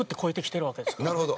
なるほど。